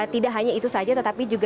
tidak hanya itu saja tetapi juga